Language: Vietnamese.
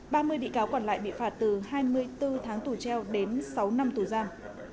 ba mươi bị cáo còn lại bị phạt từ hai mươi bốn tháng tù treo đến sáu năm tù giam